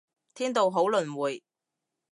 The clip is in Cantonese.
天道好輪迴